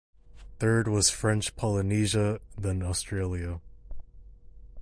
Third was French Polynesia then Australia.